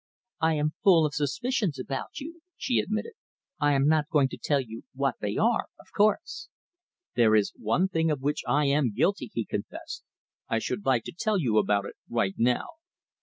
"I am full of suspicions about you," she admitted. "I am not going to tell you what they are, of course." "There is one thing of which I am guilty," he confessed. "I should like to tell you about it right now."